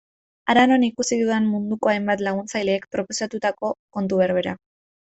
Hara non ikusi dudan munduko hainbat laguntzailek proposatutako kontu berbera.